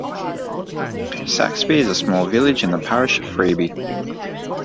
Saxby is a small village in the parish of Freeby.